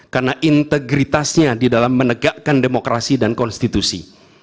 karena integritasnya di dalam menegakkan demokrasi dan konstitusi